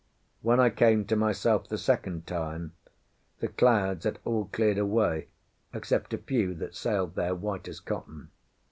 When I came to myself the second time the clouds had all cleared away, except a few that sailed there, white as cotton.